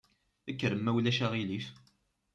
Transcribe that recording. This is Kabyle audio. Kkrem ma ulac aɣilif.